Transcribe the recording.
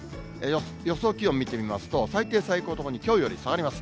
予想気温見てみますと、最低、最高ともにきょうより下がります。